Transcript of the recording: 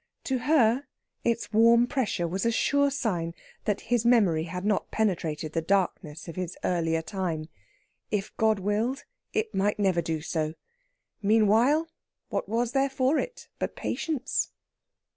To her its warm pressure was a sure sign that his memory had not penetrated the darkness of his earlier time. If God willed, it might never do so. Meanwhile, what was there for it but patience?